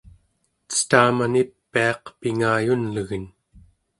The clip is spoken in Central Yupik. cetaman ipiaq pingayunlegen